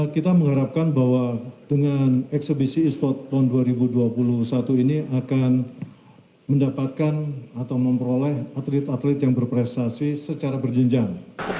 kita mengharapkan bahwa dengan eksebisi e sport tahun dua ribu dua puluh satu ini akan mendapatkan atau memperoleh atlet atlet yang berprestasi secara berjenjang